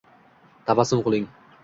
Tabassum qiling!